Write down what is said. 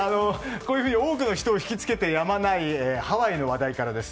多くの人を引きつけてやまないハワイの話題からです。